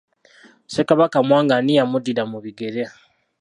Ssekabaka Mwanga ani yamuddira mu bigere?